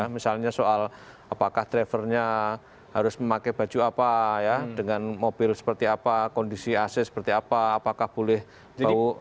misalnya soal apakah drivernya harus memakai baju apa ya dengan mobil seperti apa kondisi ac seperti apa apakah boleh tahu